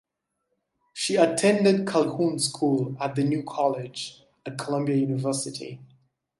She attended Calhoun School and the New College at Columbia University.